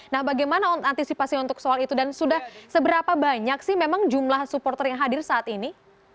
nah bagaimana antisipasi untuk soal itu dan sudah seberapa banyak sih memang jumlah supporter yang hadir saat ini